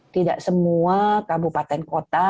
tidak semua kabupaten kota